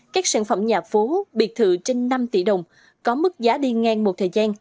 các sản phẩm nhà phố biệt thự trên năm tỷ đồng có mức giá đi ngang một thời gian